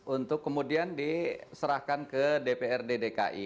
untuk kemudian diserahkan ke dprd dki